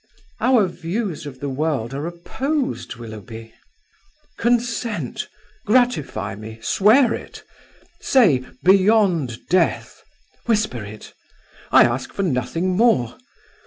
"Our views of the world are opposed, Willoughby." "Consent; gratify me; swear it. Say: 'Beyond death.' Whisper it. I ask for nothing more.